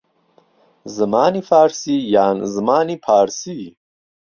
زمانی فارسی یان زمانی پارسی